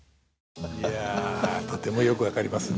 いやとてもよく分かりますね。